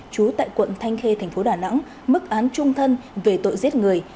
chú tại quận thanh khê tp đà nẵng mức án trung thân về tội giết người